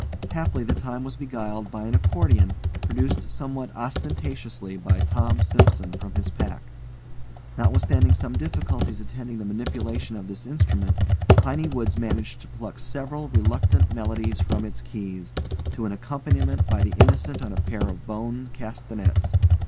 Haply the time was beguiled by an accordion, produced somewhat ostentatiously by Tom Simson from his pack. Notwithstanding some difficulties attending the manipulation of this instrument, Piney Woods managed to pluck several reluctant melodies from its keys, to an accompaniment by the Innocent on a pair of bone castanets.